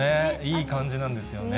いい感じなんですよね。